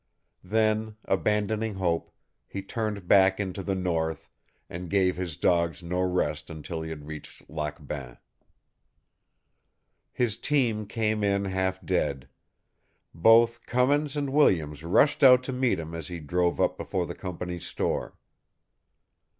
Then, abandoning hope, he turned back into the north, and gave his dogs no rest until he had reached Lac Bain. His team came in half dead. Both Cummins and Williams rushed out to meet him as he drove up before the company's store.